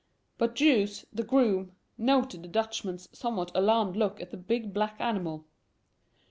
But Jous, the groom, noted the Dutchman's somewhat alarmed look at the big black animal.